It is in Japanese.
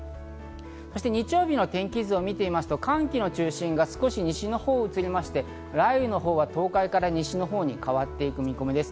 そして日曜日の天気図を見てみますと、寒気の中心が少し西の方に移りまして、雷雨は東海から西の方に変わっていく見込みです。